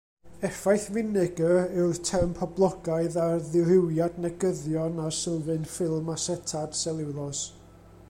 Effaith finegr yw'r term poblogaidd ar ddirywiad negyddion ar sylfaen ffilm asetad seliwlos.